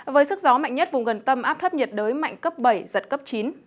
với sức gió mạnh nhất vùng gần tâm áp thấp nhiệt đới mạnh cấp bảy giật cấp chín